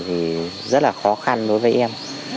thì rất là khó khăn đối với em